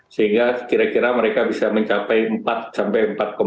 sehingga kira kira mereka bisa mencapai empat sampai empat lima